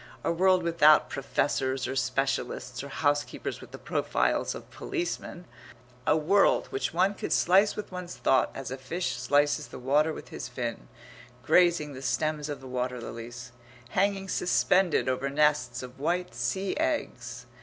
A world without professors or specialists or house keepers with the profiles of policemen, a world which one could slice with one's thought as a fish slices the water with his fin, grazing the stems of the water lilies, hanging suspended over nests of white sea eggs....